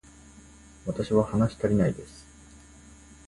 私は話したりないです